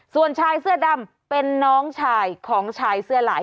ส่วนชายเสื้อดำเป็นน้องชายของชายเสื้อลาย